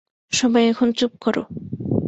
সবাই এখন চুপ করো!